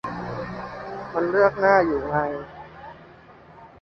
มันเลือกหน้าอยู่ไง